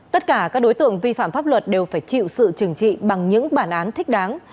tất cả các đối tượng vi phạm pháp luật đều phải chịu sự trừng trị bằng những bản án thích đáng